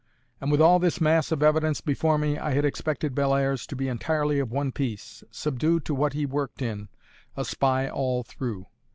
and with all this mass of evidence before me, I had expected Bellairs to be entirely of one piece, subdued to what he worked in, a spy all through.